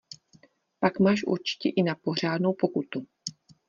Pak máš určitě i na pořádnou pokutu.